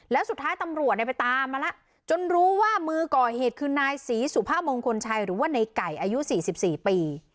แล้วสุดท้ายตำรวจไปตามมาแล้วจนรู้ว่ามือก่อเหตุคือนายศรีสุภามงคลชัยหรือว่าในไก่อายุ๔๔ปี